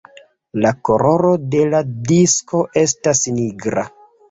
La koloro de la disko estas nigra.